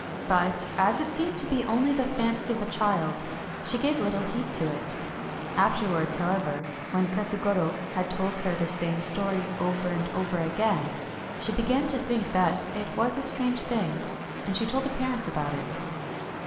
But as it seemed to be only the fancy of a child, she gave little heed to it. Afterwards, however, when Katsugoro had told her the same story over and over again, she began to think that it was a strange thing, and she told her parents about it.